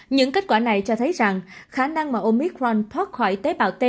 những kết quả này cho thấy rằng khả năng mà omicron thoát khỏi tế bào t